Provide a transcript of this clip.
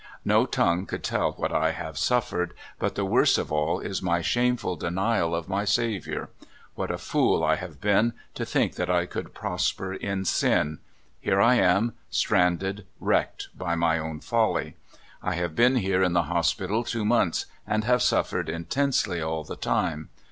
No tongue could tell what I have suffered, but the worst of all is my shameful denial of my Saviour. What a fool I have been, to think that I could prosper in sin! Here I am., stranded, wrecked, by my own folly. I have been here in the hospital two months, and have suffered intensely all the time.